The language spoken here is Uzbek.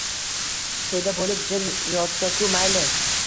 To’da bo’lib jim yotsa-ku, mayli.